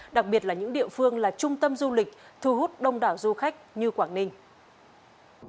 đặc biệt là những địa phương là trung tâm du lịch thu hút đông đảo du khách như quảng ninh